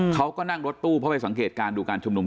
เขาก็นั่งรถตู้เพราะไปสังเกตการณ์ดูการชุมนุม